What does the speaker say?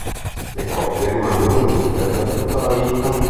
Le coppie rimangono unite per tutta la vita.